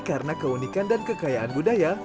karena keunikan dan kekayaan budaya